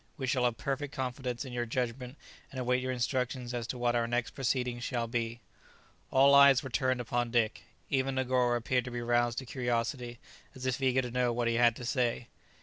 We shall have perfect confidence in your judgment, and await your instructions as to what our next proceedings shall be." All eyes were turned upon Dick. Even Negoro appeared to be roused to curiosity, as if eager to know what he had to say.